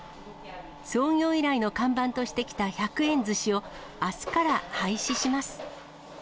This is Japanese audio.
創業以来の看板としてきた１００円寿司を、あすから廃止します。